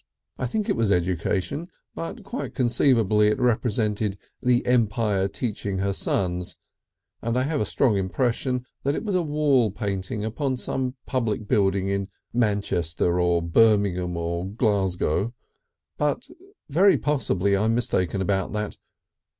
I think it was Education, but quite conceivably it represented the Empire teaching her Sons, and I have a strong impression that it was a wall painting upon some public building in Manchester or Birmingham or Glasgow, but very possibly I am mistaken about that.